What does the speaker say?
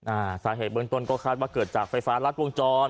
อ่าสาเหตุเบื้องต้นก็คาดว่าเกิดจากไฟฟ้ารัดวงจร